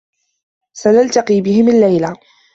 سنلتقي بهم الليلة.